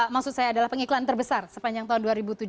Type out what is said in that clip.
maksud saya adalah pengiklan terbesar sepanjang tahun dua ribu tujuh belas